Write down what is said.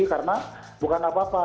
karena bukan apa apa